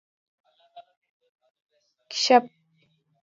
🐢 کېشپ